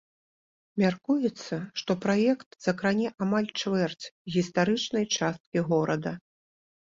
Мяркуецца, што праект закране амаль чвэрць гістарычнай часткі горада.